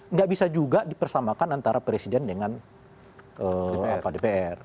nggak bisa juga dipersamakan antara presiden dengan dpr